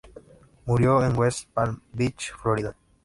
Murió en West Palm Beach, Florida.